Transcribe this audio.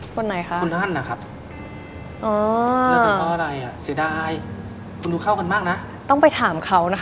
คุณไหนคะคุณอั้นอะครับ